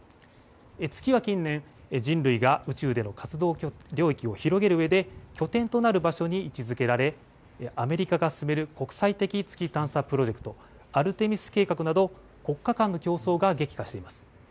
月は近年、人類が宇宙での活動領域を広げるうえで拠点となる場所に位置づけられアメリカが進める国際的月探査プロジェクト、アルテミス計画など国家間の競争が激化しています。